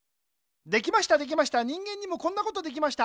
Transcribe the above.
できましたできました人間にもこんなことできました。